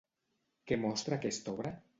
Què mostra aquesta obra?